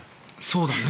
そうだね。